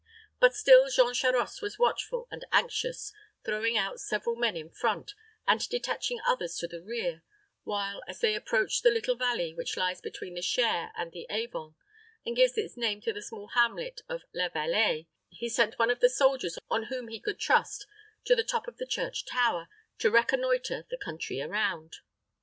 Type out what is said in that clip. But still Jean Charost was watchful and anxious, throwing out several men in front, and detaching others to the rear, while, as they approached the little valley which lies between the Cher and the Avon, and gives name to the small hamlet of La Vallée, he sent one of the soldiers on whom he could trust to the top of the church tower, to reconnoitre the country around.